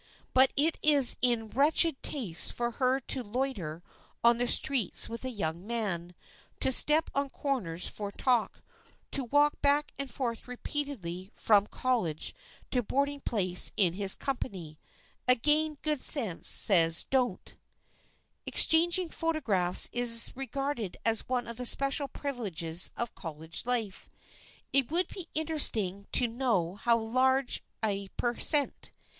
But it is in wretched taste for her to loiter on the streets with a young man, to stop on corners for talk, to walk back and forth repeatedly from college to boarding place in his company. Again good sense says, "Don't." [Sidenote: EXCHANGE OF PHOTOGRAPHS] Exchanging photographs is regarded as one of the special privileges of college life. It would be interesting to know how large a per cent.